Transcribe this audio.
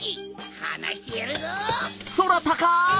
はなしてやるぞ！